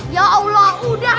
ya allah udah